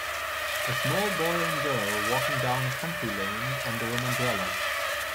A small boy and girl walking down a country lane under an umbrella.